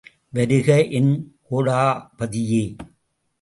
வருக என் கோடபதியே!